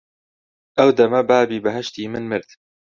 ئەو دەمە بابی بەهەشتی من مرد